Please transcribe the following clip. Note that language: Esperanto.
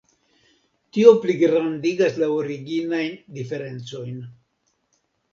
Tio pligrandigas la originajn diferencojn.